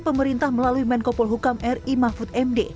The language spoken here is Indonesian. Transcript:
pemerintah melalui menkopol hukam ri mahfud md